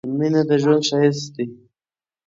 مينه د ژوند ښايست دي